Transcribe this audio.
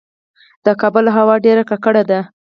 د کابل هوا ډیره ککړه ده